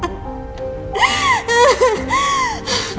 jangan begitu bu